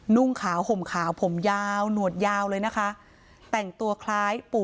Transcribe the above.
นุ่งขาวห่มขาวผมยาวหนวดยาวเลยนะคะ